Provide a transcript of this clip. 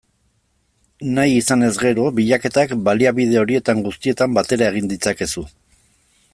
Nahi izanez gero, bilaketak baliabide horietan guztietan batera egin ditzakezu.